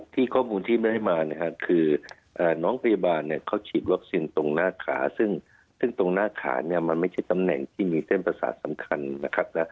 ข้อมูลที่ไม่ได้มาเนี่ยคือน้องพยาบาลเนี่ยเขาฉีดวัคซีนตรงหน้าขาซึ่งตรงหน้าขาเนี่ยมันไม่ใช่ตำแหน่งที่มีเส้นประสาทสำคัญนะครับ